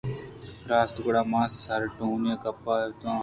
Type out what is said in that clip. راست گڑا من سارٹونی ءِ گپ ءَ اتوں